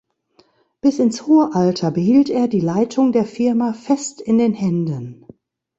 Bis ins hohe Alter behielt er die Leitung der Firma fest in den Händen.